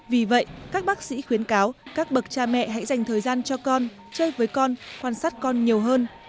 vì vậy các bác sĩ khuyến cáo các bậc cha mẹ hãy dành thời gian cho con chơi với con quan sát con nhiều hơn